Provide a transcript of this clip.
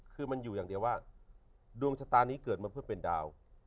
คือมันอยู่อย่างเดียวว่าดวงชะตานี้เกิดมาเพื่อเป็นดาว